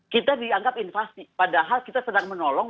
kita dianggap invasi padahal kita sedang menolong